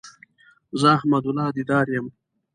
زه احمد الله ديدار يم